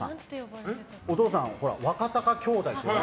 お父さん、若貴兄弟って。